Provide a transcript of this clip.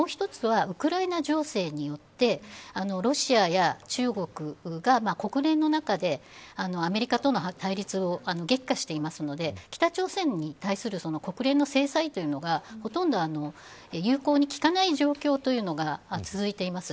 もう一つはウクライナ情勢によってロシアや中国が国連の中でアメリカとの対立を激化しているので北朝鮮に対する国連の制裁というのがほとんど有効にきかない状況というのが続いています。